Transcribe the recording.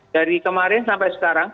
dari kemarin sampai sekarang